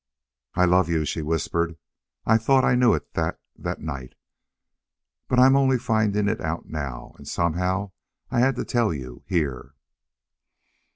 "I love you," she whispered. "I thought I knew it that that night. But I'm only finding it out now.... And somehow I had to tell you here."